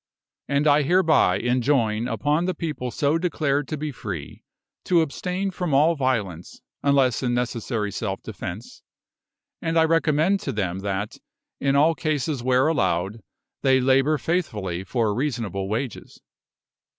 And I hereby enjoin upon the people so declared to be free, to abstain from all violence, unless in necessary self defence; and I recommend to them that, in all cases where allowed, they labour faithfully for reasonable wages.